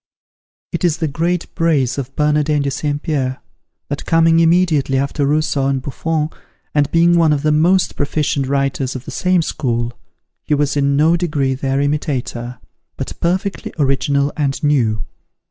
It is the great praise of Bernardin de St. Pierre, that coming immediately after Rousseau and Buffon, and being one of the most proficient writers of the same school, he was in no degree their imitator, but perfectly original and new.